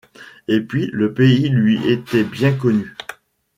Et puis le pays lui était bien connu.